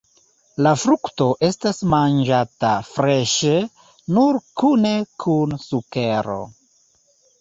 La frukto estas manĝata freŝe nur kune kun sukero.